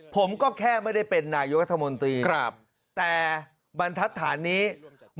ผมก็แค่ไม่ได้เป็นนายุทธมนตรีแต่บรรทัดฐานนี้ครับ